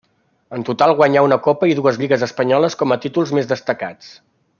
En total guanyà una Copa i dues Lligues espanyoles com a títols més destacats.